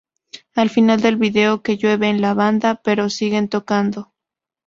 Al final del video, que llueve en la banda, pero siguen tocando.